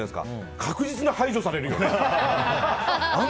確実に排除されるよね。